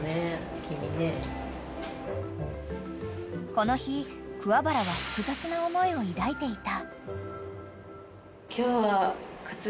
［この日桑原は複雑な思いを抱いていた］